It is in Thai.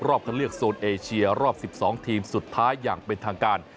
คันเลือกโซนเอเชียรอบ๑๒ทีมสุดท้ายอย่างเป็นทางการ